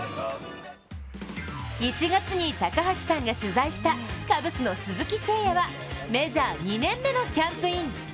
１月に高橋さんが取材したカブスの鈴木誠也はメジャー２年目のキャンプイン。